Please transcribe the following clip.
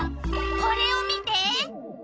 これを見て！